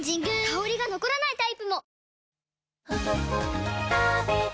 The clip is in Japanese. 香りが残らないタイプも！